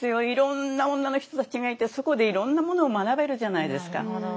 いろんな女の人たちがいてそこでいろんなものを学べるじゃないですか。